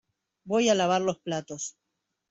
Voy a lavar los platos.